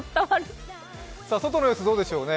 外の様子どうでしょうね。